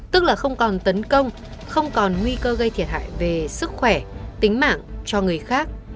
tức là không còn tấn công không còn nguy cơ gây thiệt hại về sức khỏe tính mạng cho người khác